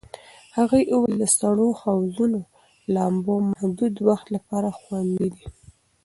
هغې وویل د سړو حوضونو لامبو محدود وخت لپاره خوندي دی.